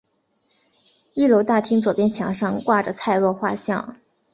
一楼大厅左边墙上挂着蔡锷画像。